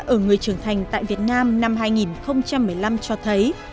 ở người trưởng thành tại việt nam năm hai nghìn một mươi năm cho thấy